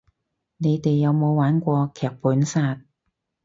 你哋有冇玩過劇本殺